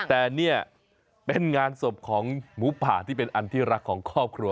แต่เนี่ยเป็นงานศพของหมูผ่าที่เป็นอันที่รักของครอบครัว